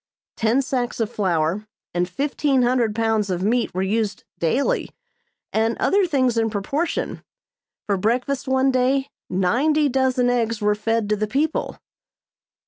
Ten sacks of flour, and fifteen hundred pounds of meat were used daily, and other things in proportion. For breakfast one day ninety dozen eggs were fed to the people.